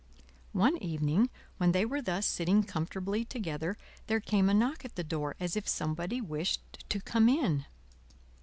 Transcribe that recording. One evening, when they were thus sitting comfortably together, there came a knock at the door as if somebody wished to come in.